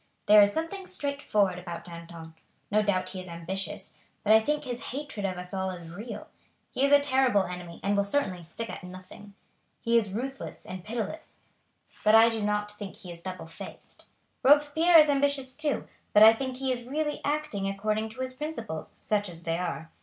"There is something straightforward about Danton. No doubt he is ambitious, but I think his hatred of us all is real. He is a terrible enemy, and will certainly stick at nothing. He is ruthless and pitiless, but I do not think he is double faced. Robespierre is ambitious too, but I think he is really acting according to his principles, such as they are.